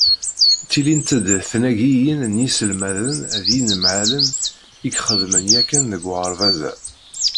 Ttilint-d tnagiyin n yiselmaden d yinemhalen i ixedmen yakan deg uɣerbaz-a.